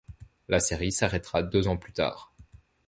La série s'arrêtera deux ans plus tard.